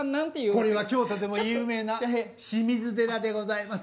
これは京都でも有名な清水寺でございます。